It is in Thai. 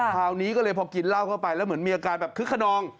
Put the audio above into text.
คราวนี้ก็เลยพอกินเหล้าเข้าไปแล้วเหมือนมีอาการแบบคึกขนอง